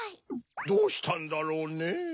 どうしたんだろうねぇ。